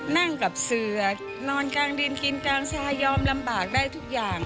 นั่งกับเสือนอนกลางดินกินกลางชายอมลำบากได้ทุกอย่าง